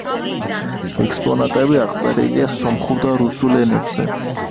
ექსპონატები აღწერილია სომხურ და რუსულ ენებზე.